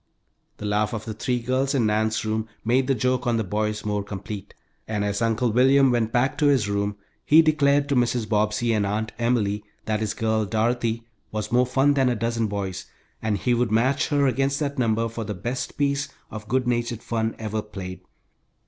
The laugh of the three girls in Nan's room made the joke on the boys more complete, and as Uncle William went back to his room he declared to Mrs. Bobbsey and Aunt Emily that his girl, Dorothy, was more fun than a dozen boys, and he would match her against that number for the best piece of good natured fun ever played.